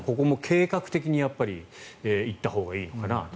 計画的にここも行ったほうがいいのかなと。